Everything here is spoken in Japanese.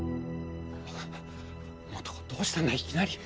素子どうしたんだいきなり。